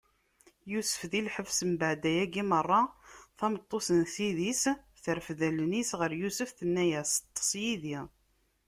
Yusef di lḥebs Mbeɛd ayagi meṛṛa, tameṭṭut n ssid-is terfed allen-is ɣer Yusef, tenna-yas: Ṭṭeṣ yid-i!